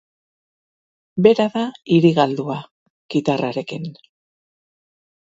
Bera da hiri galdua, kitarrarekin.